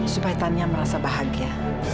supaya tania merasa bahagia